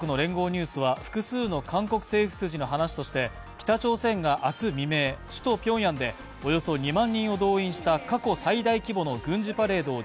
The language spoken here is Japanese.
ニュースは複数の韓国政府筋の話として北朝鮮が明日未明、首都ピョンヤンでおよそ２万人を動員した過去最大規模の軍事パレードを